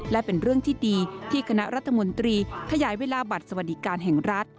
และเป็นเรื่องที่ดีที่คณะรัฐมนตรีขยายเวลาบัตรสวัสดิการแห่งรัฐ